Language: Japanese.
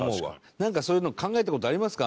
なんかそういうの考えた事ありますか？